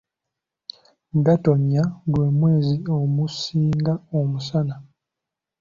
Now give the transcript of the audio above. Gatonnya gwe mwezi omusinga omusana.